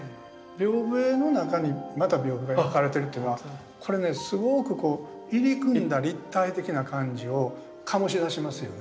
屏風絵の中にまた屏風が描かれてるっていうのはこれねすごくこう入り組んだ立体的な感じを醸し出しますよね。